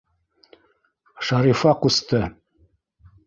Шарифа ҡусты!